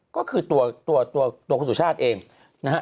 ก็คือตัวตัวคุณสุชาติเองนะฮะ